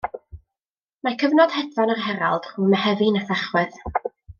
Mae cyfnod hedfan yr herald rhwng Mehefin a Thachwedd.